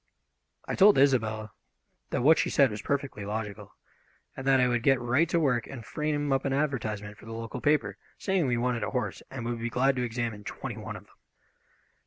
I told Isobel that what she said was perfectly logical, and that I would get right to work and frame up an advertisement for the local paper, saying we wanted a horse and would be glad to examine twenty one of them.